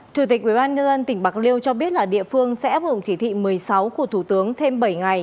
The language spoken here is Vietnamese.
chủ tịch ubnd tỉnh bạc liêu cho biết là địa phương sẽ áp dụng chỉ thị một mươi sáu của thủ tướng thêm bảy ngày